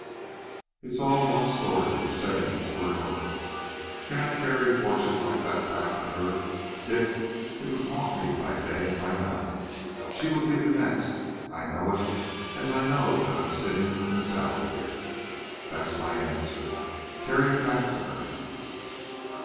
"It's all one story, the same over and over. Can I carry a fortune like that back to her? Dick, it would haunt me by day and by night. She would be the next. I know it as I know that I'm sitting in the saddle here. That's my answer. Carry it back to her."